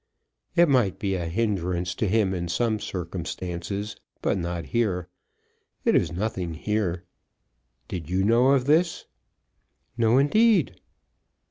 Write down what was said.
"It might be a hindrance to him in some circumstances; but not here. It is nothing here. Did you know of this?" "No, indeed."